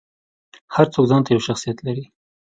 هر څوک ځانته یو شخصیت لري.